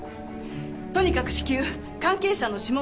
とにかく至急関係者の指紋を集めて。